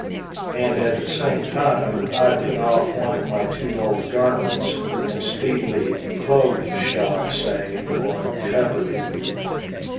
And at the same time I put off one of my two old garments, and speedily —clothed, shall I say, or covered him